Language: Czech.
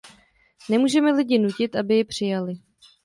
Nemůžeme lidi nutit, aby ji přijali.